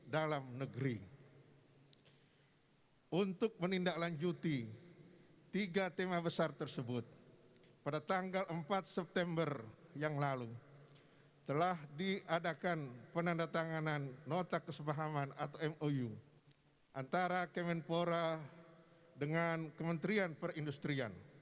dan memukau kita semua untuk merepresentasikan tema h hornas kali ini